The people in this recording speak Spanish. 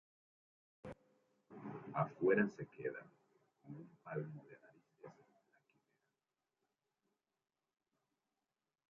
Afuera se queda con un palmo de narices la quimera.